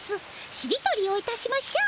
しりとりをいたしましょう！